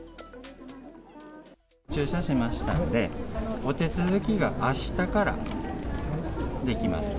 注射しましたので、お手続きがあしたからできます。